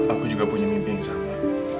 aku juga punya mimpi yang sama